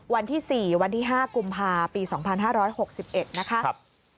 วันที่๔วันที่๕กุมภาปี๒๕๖๑นะคะ